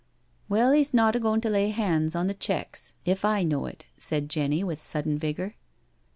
'* Well, he's not a goin' to lay hands on th' checks if I know it," said Jenny, with sudden vigour.